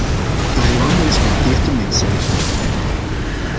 Taiwan respecteert de mensenrechten.